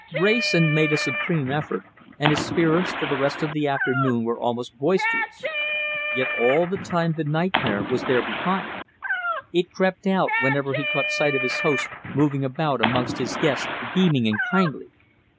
Wrayson made a supreme effort, and his spirits for the rest of the afternoon were almost boisterous. Yet all the time the nightmare was there behind. It crept out whenever he caught sight of his host moving about amongst his guests, beaming and kindly.